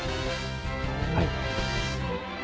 はい。